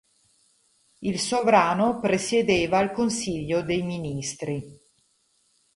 Il sovrano presiedeva il consiglio dei ministri.